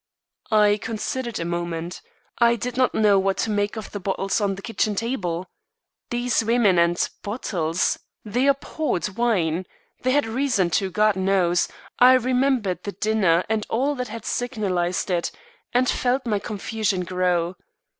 I considered a moment. I did not know what to make of bottles on the kitchen table. These women and bottles! They abhorred wine; they had reason to, God knows; T remembered the dinner and all that had signalised it, and felt my confusion grow.